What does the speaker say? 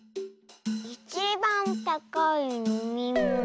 いちばんたかいのみもの。